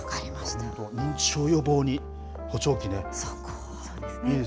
本当、認知症予防に補聴器ね。